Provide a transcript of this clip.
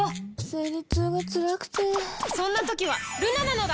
生理痛がつらくてそんな時はルナなのだ！